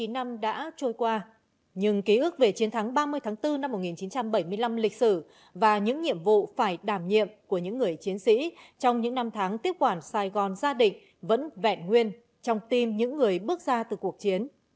chín mươi năm đã trôi qua nhưng ký ức về chiến thắng ba mươi tháng bốn năm một nghìn chín trăm bảy mươi năm lịch sử và những nhiệm vụ phải đảm nhiệm của những người chiến sĩ trong những năm tháng tiếp quản sài gòn gia đình vẫn vẹn nguyên trong tim những người bước ra từ cuộc chiến